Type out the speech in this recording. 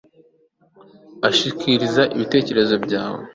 ushishikarize ibitekerezo byawe